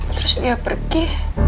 terus dia pergi